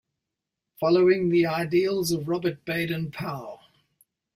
Following the ideals of Robert Baden-Powell.